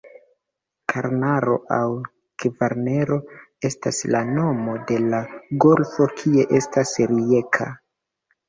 Karnaro aŭ Kvarnero estas la nomo de la golfo kie estas Rijeka.